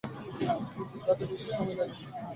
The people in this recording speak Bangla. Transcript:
কিন্তু তাতে অনেক বেশি সময় লাগে।